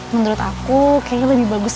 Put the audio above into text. menurut aku kayaknya lebih bagus